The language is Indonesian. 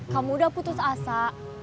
kamu udah putus asa